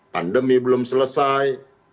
pandemi belum selesai